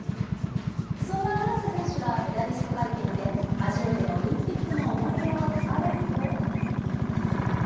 そんな村瀬選手がメダリスト会見で、初めてのオリンピックの思い出を聞かれると。